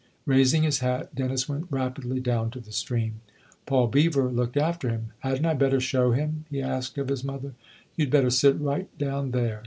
Raising his hat, Dennis went rapidly down to the stream. Paul Beever looked after him. "Hadn't I better show him ?" he asked of his mother. "You had better sit right down there."